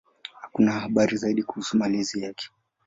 Hakuna habari zaidi kuhusu malezi yake.